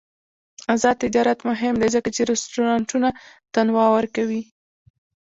آزاد تجارت مهم دی ځکه چې رستورانټونه تنوع ورکوي.